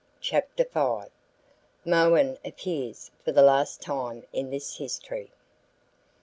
CHAPTER V. MOHUN APPEARS FOR THE LAST TIME IN THIS HISTORY.